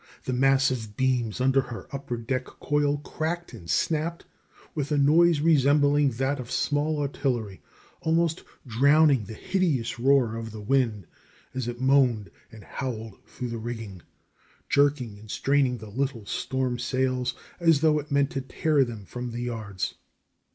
The massive beams under her upper deck coil cracked and snapped with a noise resembling that of small artillery, almost drowning the hideous roar of the wind as it moaned and howled through the rigging, jerking and straining the little storm sails as though it meant to tear them from the yards.